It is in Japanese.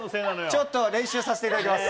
ちょっと、練習させていただきます。